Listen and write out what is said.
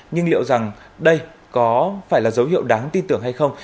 nhưng liệu rằng đây có phải là dấu hiệu đáng tin tưởng hay không